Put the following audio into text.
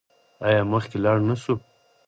آیا مخکې لاړ نشو؟